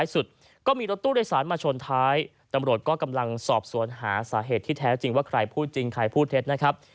ส่วนท้ายตำรวจก็กำลังสอบสวนหาสาเหตุที่แท้จริงว่าใครพูดจริงใครพูดเท็จนะครับ